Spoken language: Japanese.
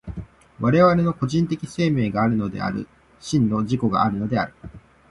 我々の個人的生命があるのである、真の自己があるのである。